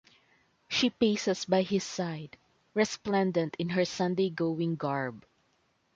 She paces by his side, resplendent in her Sunday-going garb.